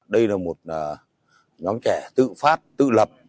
đây là một nhóm trẻ tự phát tự lập